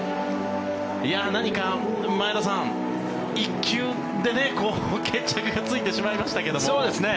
何か前田さん、１球で決着がついてしまいましたけれども。